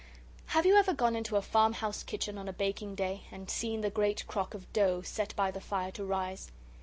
Have you ever gone into a farmhouse kitchen on a baking day, and seen the great crock of dough set by the fire to rise?